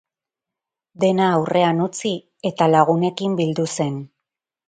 Dena aurrean utzi, eta lagunekin bildu zen.